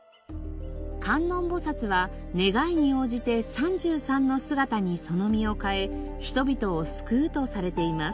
観音菩薩は願いに応じて３３の姿にその身を変え人々を救うとされています。